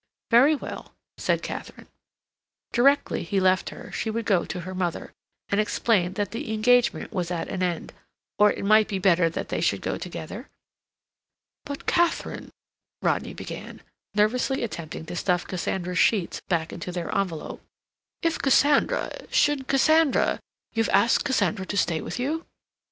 "Very well," said Katharine. Directly he left her she would go to her mother, and explain that the engagement was at an end—or it might be better that they should go together? "But, Katharine," Rodney began, nervously attempting to stuff Cassandra's sheets back into their envelope; "if Cassandra—should Cassandra—you've asked Cassandra to stay with you."